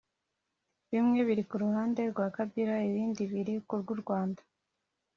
bimwe biri ku ruhande rwa Kabila ibindi biri ku rw’u Rwanda